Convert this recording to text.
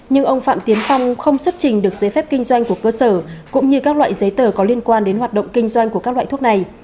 nhưng ông phạm tiến phong không xuất trình được giấy phép kinh doanh của cơ sở cũng như các loại giấy tờ có liên quan đến hoạt động kinh doanh của các loại thuốc này